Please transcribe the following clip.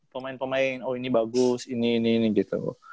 pemain pemain oh ini bagus ini ini ini gitu